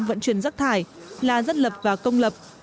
vận chuyển rác thải là dân lập và công lập